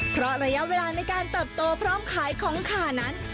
เพราะระยะเวลาในการเติบโตพร้อมขายของขานั้น